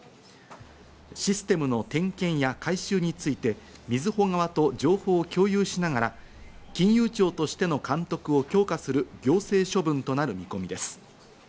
システムの点検や改修についてみずほ側と情報を共有しながら金融庁としての監督を強化する行政処分となる見込みです。